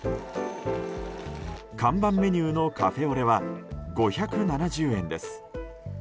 看板メニューのカフェオレは５７０円です。